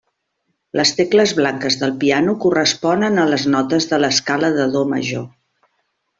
Les tecles blanques del piano corresponen a les notes de l'escala de do major.